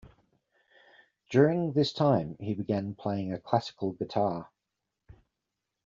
During this time he began playing a classical guitar.